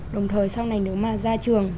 đồng thời sau này nếu mà ra trường